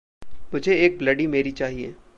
मुझे एक bloody Mary चाहिए।